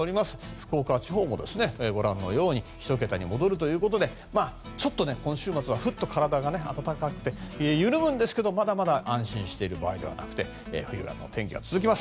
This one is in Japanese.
福岡地方もご覧のように１桁に戻るということでちょっと今週末はふっと体が暖かくて緩むんですけれども、まだまだ安心している場合ではなくて冬型の天気が続きます。